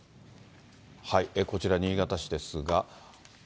こちら新潟市ですが。